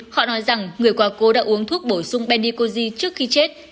họ nói rằng người qua cô đã uống thuốc bổ sung benicoji trước khi chết